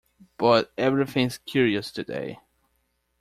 But everything’s curious today.